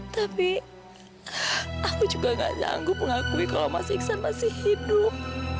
tapi aku juga gak nyanggup mengakui kalau mas iksan masih hidup